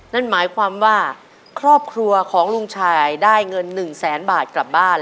นั่นหมายความว่าครอบครัวของลุงชายได้เงิน๑แสนบาทกลับบ้าน